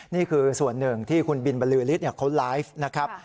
นี่คือส่วนหนึ่งที่คุณบินบรรลือฤทธิ์เขาไลฟ์นะครับ